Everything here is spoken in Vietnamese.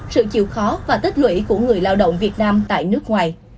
sự chịu khó và tích lũy của người lao động việt nam tại nước ngoài